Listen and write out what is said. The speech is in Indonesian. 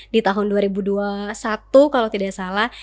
di tahun dua ribu dua puluh satu kalau tidak salah